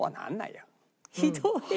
ひどい。